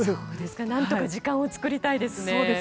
何とか時間を作りたいですね。